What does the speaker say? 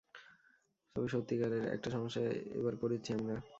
তবে, সত্যিকারের একটা সমস্যায় এবার পরেছি আমরা!